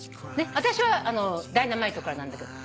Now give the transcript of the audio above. あたしは『Ｄｙｎａｍｉｔｅ』からなんだけど。